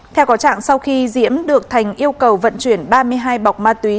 theo có trạng sau khi diễm được thành yêu cầu vận chuyển ba mươi hai bọc ma túy